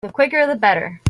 The quicker the better.